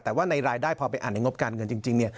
แต่ว่าในรายได้พอไปอ่านในงบการเงินจริงเนี่ย